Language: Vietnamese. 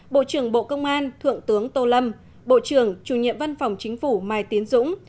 bộ trưởng bộ công an thượng tướng tô lâm bộ trưởng chủ nhiệm văn phòng chính phủ mai tiến dũng